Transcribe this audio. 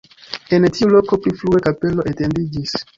En tiu loko pli frue kapelo etendiĝis.